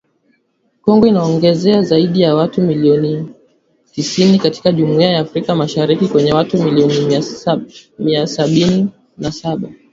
Kongo inaongeza zaidi ya watu milioni tisini katika Jumuiya ya Afrika Mashariki yenye watu milioni mia sabini na saba